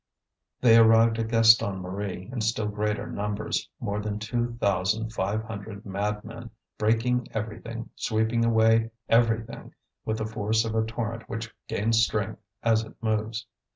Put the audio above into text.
They arrived at Gaston Marie in still greater numbers, more than two thousand five hundred madmen, breaking everything, sweeping away everything, with the force of a torrent which gains strength as it moves.